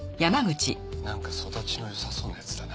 なんか育ちのよさそうなやつだな。